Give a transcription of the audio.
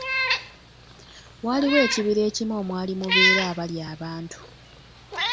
Waliwo ekibira ekimu omwali mubeera abalya abantu.